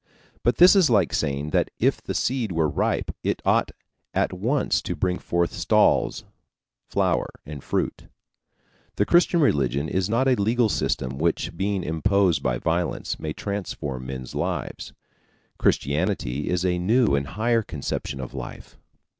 But this is like saying that if the seed were ripe it ought at once to bring forth stalls, flower, and fruit. The Christian religion is not a legal system which, being imposed by violence, may transform men's lives. Christianity is a new and higher conception of life.